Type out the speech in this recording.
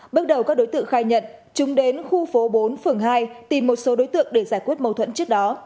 bước đầu các đối tượng khai nhận chúng đến khu phố bốn phường hai tìm một số đối tượng để giải quyết mâu thuẫn trước đó